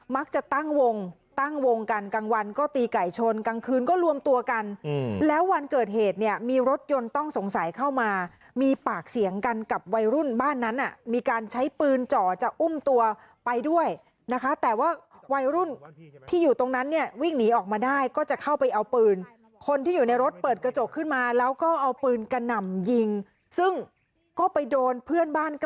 ตั้งวงตั้งวงกันกลางวันก็ตีไก่ชนกลางคืนก็รวมตัวกันแล้ววันเกิดเหตุเนี่ยมีรถยนต์ต้องสงสัยเข้ามามีปากเสียงกันกับวัยรุ่นบ้านนั้นมีการใช้ปืนเจาะจะอุ้มตัวไปด้วยนะคะแต่ว่าวัยรุ่นที่อยู่ตรงนั้นเนี่ยวิ่งหนีออกมาได้ก็จะเข้าไปเอาปืนคนที่อยู่ในรถเปิดกระจกขึ้นมาแล้วก็เอาปืนกระหน่ำยิงซึ่งก็ไปโดนเพื่อนบ้านก